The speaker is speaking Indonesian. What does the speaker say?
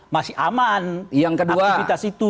masih aman yang kedua aktivitas itu